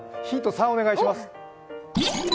３お願いします。